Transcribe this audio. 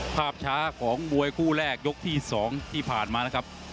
ภาพช้าของมวยคู่แรกยกที่๒ที่ผ่านมานะครับ